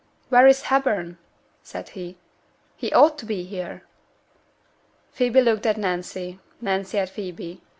'Where is Hepburn?' said he. 'He ought to be here!' Phoebe looked at Nancy, Nancy at Phoebe.